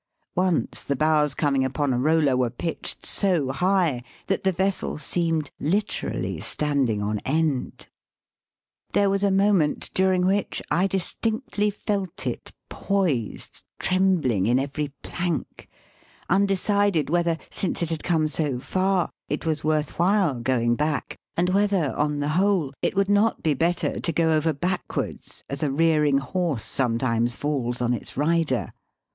Once the bows coming upon a roller were pitched so high that the vessel seemed literally standing on end. There was a moment during which I dis tinctly felt it poised trembling in every plank, undecided whether, since it had come so far, it was worth while going back, and whether, on the whole, it would not be better to go over backwards as a rearing horse sometimes falls on its rider.